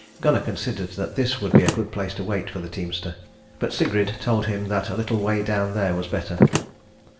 Gunnar considered that this would be a good place to wait for the teamster; but Sigrid told him that a little way down there was a better.